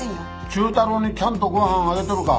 忠太郎にちゃんとご飯あげてるか？